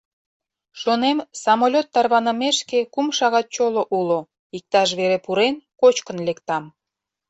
Шонем, самолёт тарванымешке кум шагат чоло уло, иктаж вере пурен, кочкын лектам.